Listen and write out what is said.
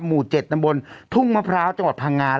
หมู่เจ็ดน้ำบนทุ่งมะพร้าวจังหวัดพังงาน